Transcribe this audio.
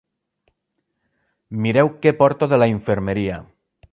Mireu què porto de la infermeria!